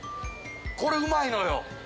これうまいのよ。